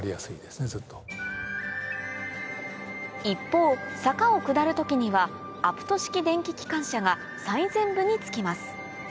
一方坂を下る時にはアプト式電気機関車が最前部に付きます